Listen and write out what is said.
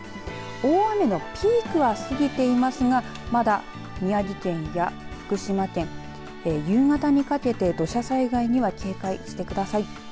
大雨のピークは過ぎていますがまだ、宮城県や福島県夕方にかけて、土砂災害には警戒してください。